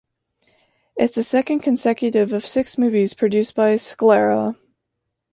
It’s the second consecutive of six movies produced by “Scalera”.